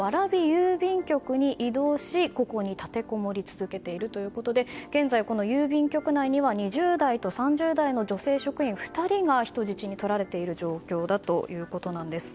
郵便局に移動しここに立てこもり続けているということで現在この郵便局内には２０代と３０代の女性職員２人が人質にとられている状況だということなんです。